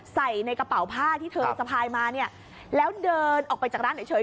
ใส่ในกระเป๋าผ้าที่เธอสะพายมาเนี่ยแล้วเดินออกไปจากร้านเฉย